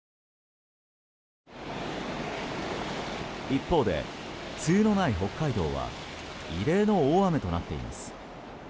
一方で梅雨のない北海道は異例の大雨となっています。